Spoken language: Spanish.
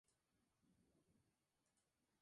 Fue internacional con la Selección italiana.